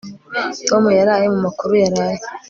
Tom yaraye mumakuru yaraye